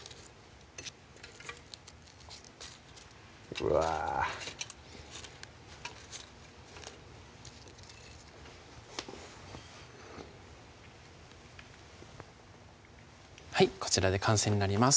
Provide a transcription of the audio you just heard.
うわはいこちらで完成になります